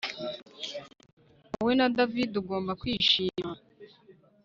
Wowe na David ugomba kwishima